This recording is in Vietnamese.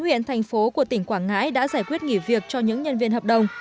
một mươi bốn huyện thành phố của tỉnh quảng ngãi đã giải quyết nghỉ việc cho những nhân viên hợp đồng